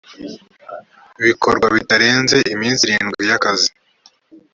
bikorwa bitarenze iminsi irindwi y’akazi